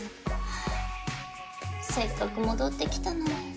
せっかく戻ってきたのに。